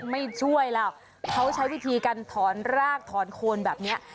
ไม่ช่วยล่ะเขาใช้วิธีการถอนรากถอนโคนแบบนี้